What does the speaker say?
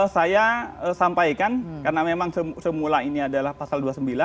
saya sampaikan karena memang semula ini adalah pasal dua puluh sembilan